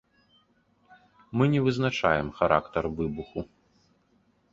Мы не вызначаем характар выбуху.